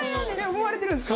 思われてるんですか？